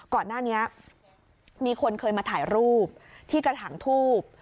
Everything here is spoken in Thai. ก่อนหน้านี้มีคนเคยมาถ่ายรูปที่กระถางทูบ